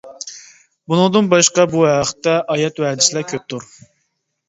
بۇنىڭدىن باشقا بۇ ھەقتە ئايەت ۋە ھەدىسلەر كۆپتۇر.